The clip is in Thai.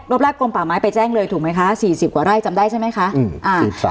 แรกกลมป่าไม้ไปแจ้งเลยถูกไหมคะสี่สิบกว่าไร่จำได้ใช่ไหมคะอืมอ่าครับ